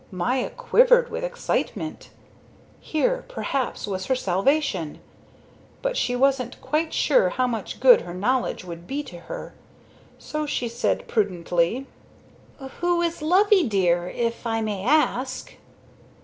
Maya quivered with excitement. Here, perhaps, was her salvation. But she wasn't quite sure how much good her knowledge would be to her. So she said prudently: "Who is Loveydear, if I may ask?"